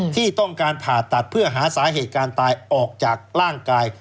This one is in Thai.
ที่ต้องการผ่าตัดเพื่อหาสาเหตุการตายออกจากร่างกาย